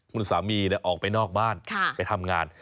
คุณสามีออกไปนอกบ้านไปทำงาน